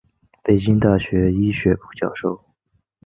北京大学医学部教授。